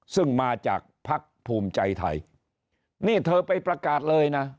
ซึ่งมาจากภักดิ์ภูมิใจไทยนี่เธอไปประกาศเลยนะ